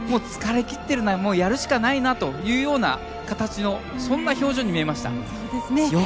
疲れ切っているけどやるしかないなという形のそんな表情に見えました。